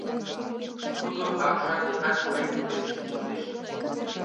Тудо апшат декат пурен кутырен шинчылтеш.